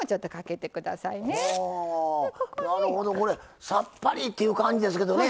なるほどこれさっぱりっていう感じですけどね